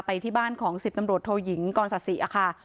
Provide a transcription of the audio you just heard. ไปที่บ้านของศิษย์ตำรวจโทยิงกรณ์ศาสตร์ศรีอะค่ะ